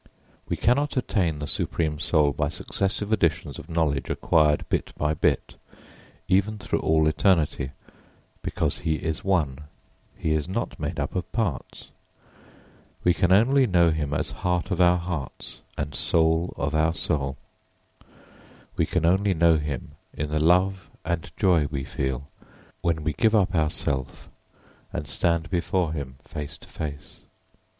We cannot attain the supreme soul by successive additions of knowledge acquired bit by bit even through all eternity, because he is one, he is not made up of parts; we can only know him as heart of our hearts and soul of our soul; we can only know him in the love and joy we feel when we give up our self and stand before him face to face.